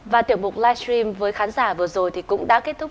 và tiểu bục live stream với khán giả vừa rồi cũng đã kết thúc